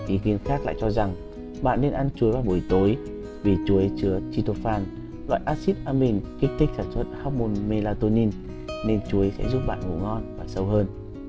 ý kiến khác lại cho rằng bạn nên ăn chuối vào buổi tối vì chuối chứa chitophan loại acid amine kích thích sản xuất hormone melatonin nên chuối sẽ giúp bạn ngủ ngon và sâu hơn